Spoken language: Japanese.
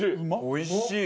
おいしい！